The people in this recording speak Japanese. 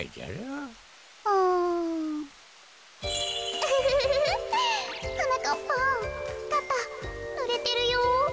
ウフフフはなかっぱんかたぬれてるよ。